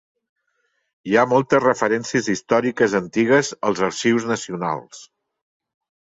Hi ha moltes referències històriques antigues als Arxius Nacionals.